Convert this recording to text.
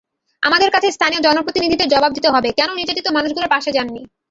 আমাদের কাছে স্থানীয় জনপ্রতিনিধিদের জবাব দিতে হবে, কেন নির্যাতিত মানুষগুলোর পাশে যাননি।